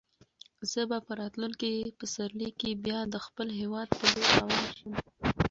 زه به په راتلونکي پسرلي کې بیا د خپل هیواد په لور روان شم.